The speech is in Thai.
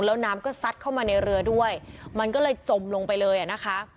แล้วน้ำก็ซัดเข้ามาในเรือด้วยมันก็เลยจมลงไปเลยอ่ะนะคะ